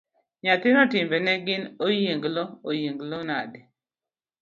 Nyathino timbene gin oyienglo yienglo nade.